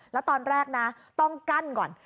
แล้วตอนแรกนะต้องกั้นก่อน